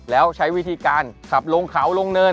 แล้วใช้วิธีการขับลงเขาลงเนิน